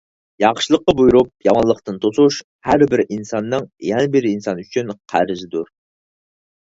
ياخشىلىققا بۇيرۇپ يامانلىقتىن توسۇش — ھەربىر ئىنساننىڭ يەنە بىر ئىنسان ئۈچۈن قەرزىدۇر.